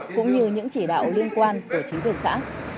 cũng như những chỉ đạo liên quan của chính quyền xã